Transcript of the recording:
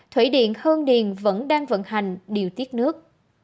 thủy điện hương điền vẫn đang vận hành điều tiết nước